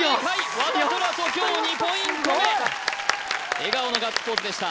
和田空大今日２ポイント目笑顔のガッツポーズでした